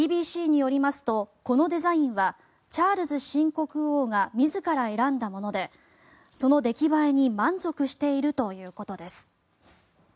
ＢＢＣによりますとこのデザインはチャールズ新国王が自ら選んだものでその出来栄えに満足しているということです。